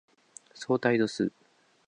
相対度数